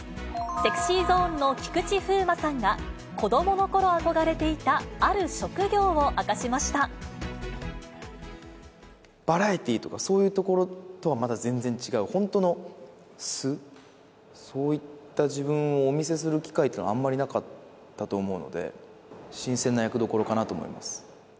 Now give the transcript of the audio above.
ＳｅｘｙＺｏｎｅの菊池風磨さんが、子どものころ、憧れていたある職バラエティーとかそういうところとは、また全然違う、本当の素、そういった自分をお見せする機会っていうのが、あんまりなかったと思うので、新鮮な役どころかなと思います。